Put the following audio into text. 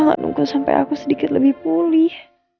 nunggu sampai aku sedikit lebih pulih